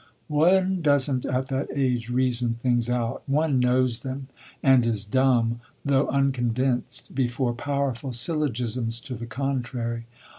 One doesn't, at that age, reason things out; one knows them, and is dumb, though unconvinced, before powerful syllogisms to the contrary.